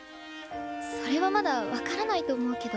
それはまだ分からないと思うけど。